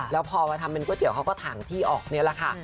แล้วพอมาทำเป็นก๋วเตี๋เขาก็ถังที่ออกนี่แหละค่ะ